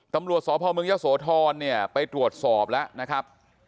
ตำรวจสพเมืองยะโสธรเนี่ยไปตรวจสอบแล้วนะครับ